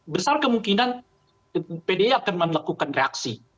besar kemungkinan pdi akan melakukan reaksi